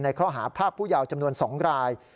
ข้อหาภาคผู้ยาวจำนวน๒ราย